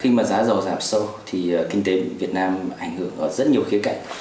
khi mà giá dầu giảm sâu thì kinh tế việt nam ảnh hưởng ở rất nhiều khía cạnh